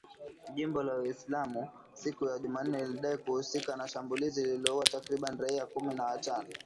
Jimbo la Uislamu siku ya Jumanne lilidai kuhusika na shambulizi lililoua takribani raia kumi na watano.